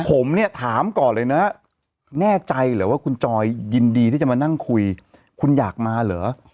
ผมเนี่ยถามก่อนเลยนะแน่ใจเหรอว่าคุณจอยยินดีที่จะมานั่งคุยคุณอยากมาเหรอ